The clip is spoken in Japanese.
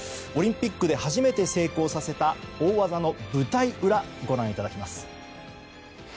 オリンピックで初めて成功させた大技の舞台裏をご覧いただきます。